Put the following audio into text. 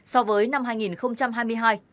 so với năm hai nghìn hai mươi hai